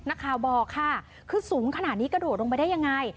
นักข่าวบอกค่ะคือสูงขนาดนี้กระโดดลงไปได้ยังไง